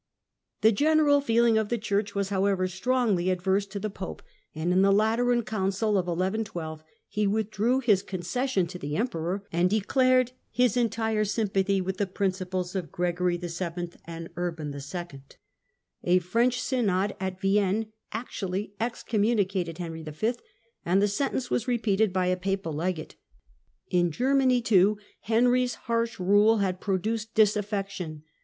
The general feeling of the Church was, however, strongly adverse to the Pope, and in the Lateran Council of 1112 he withdrew his concession to the Emperor and declared his entire sympathy with the principles of Gregory VII. and Urban II. A Erench synod at Vienne actually excommunicated Henry V., and the sentence was repeated by the papal legate. In Germany, too, Henry's harsh rule had produced dis affection.